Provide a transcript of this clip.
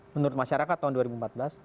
menurut masyarakat tahun dua ribu empat belas